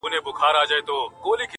ځيني خلک غوسه دي او ځيني خاموش ولاړ دي،